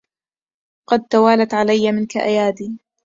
قد توالت علي منك أيادي